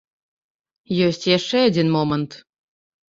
Ёсць і яшчэ адзін момант.